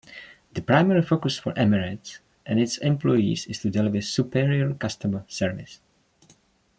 The primary focus for Emirates and its employees is to deliver superior customer service.